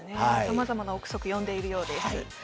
さまざまな臆測を呼んでいるようです。